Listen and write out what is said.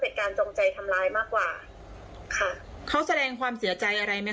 การจงใจทำร้ายมากกว่าค่ะเขาแสดงความเสียใจอะไรไหมค